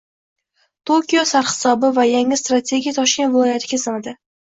Tokio sarhisobi va yangi strategiya Toshkent viloyati kesimida